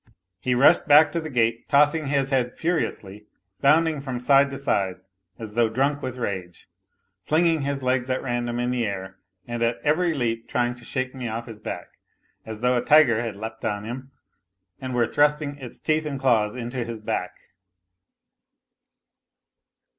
He rushed back to the gate, tossing his head furiously, bounding from side to side as though drunk with rage, flinging his legs at random in the air, and at every leap trying to shake me off his back as though a tiger had leaped on him and were thrusting its teeth and claws into his back.